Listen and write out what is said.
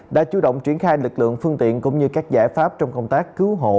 đã chủ động triển khai lực lượng phương tiện cũng như các giải pháp trong công tác cứu hộ